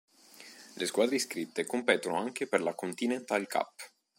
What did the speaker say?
Le squadre iscritte competono anche per la Continental Cup.